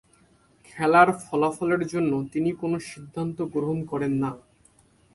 খেলার ফলাফলের জন্য তিনি কোন সিদ্ধান্ত গ্রহণ করেন না।